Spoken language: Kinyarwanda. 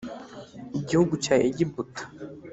igihugu cya egiputa.